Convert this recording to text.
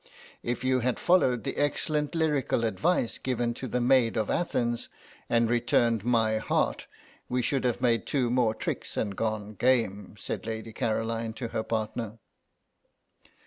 "If you had followed the excellent lyrical advice given to the Maid of Athens and returned my heart we should have made two more tricks and gone game," said Lady Caroline to her partner.